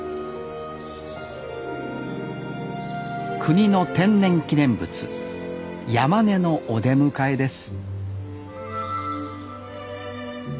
国の天然記念物ヤマネのお出迎えです